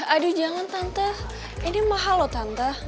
aduh jangan tantah ini mahal loh tante